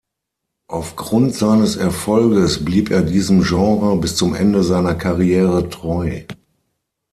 Auf Grund seines Erfolges blieb er diesem Genre bis zum Ende seiner Karriere treu.